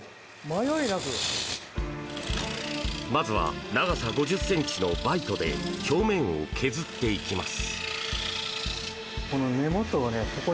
まずは長さ５０ｃｍのバイトで表面を削っていきます。